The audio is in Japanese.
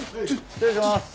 失礼します。